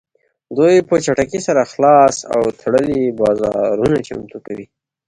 دوی په چټکۍ سره خلاص او تړلي بازارونه چمتو کوي